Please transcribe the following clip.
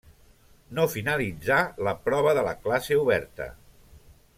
No finalitzà la prova de la classe oberta.